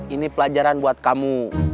ini pelajaran buat kamu